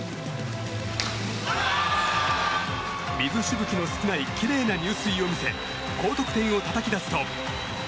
水しぶきの少ないきれいな入水を見せ高得点をたたき出すと。